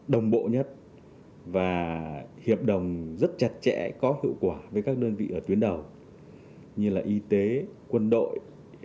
đồng bộ nhất và hiệp đồng rất chặt chẽ có hiệu quả với các đơn vị ở tuyến đầu như là y tế quân đội